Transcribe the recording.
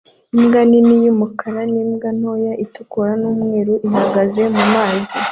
Imbwa nini yumukara nimbwa ntoya itukura numweru ihagaze mumazi